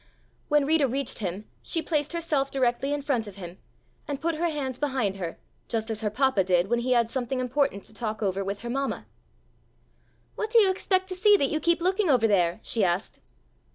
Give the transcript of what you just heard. When Rita reached him she placed herself directly in front of him, and put her hands behind her, just as her papa did when he had something important to talk over with her mamma. "What do you expect to see that you keep looking over there?" she asked.